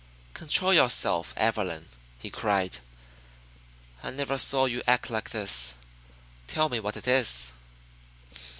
"Control yourself, Evelyn," he cried. "I never saw you act like this. Tell me what it is."